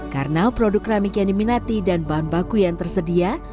karena produk keramik yang diminati dan bahan baku yang tersedia